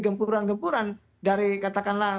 gempuran gempuran dari katakanlah